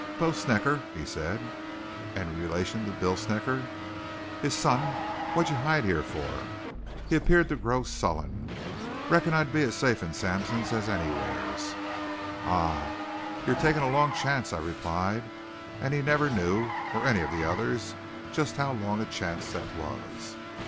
"Bo Snecker," he said. "Any relation to Bill Snecker?" "His son." "What'd you hide here for?" He appeared to grow sullen. "Reckoned I'd be as safe in Sampson's as anywheres." "Ahuh! You're taking a long chance," I replied, and he never knew, or any of the others, just how long a chance that was.